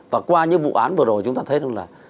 và qua những vụ án vừa rồi chúng ta thấy rằng là